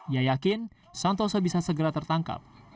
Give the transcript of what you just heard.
ia yakin santoso bisa segera tertangkap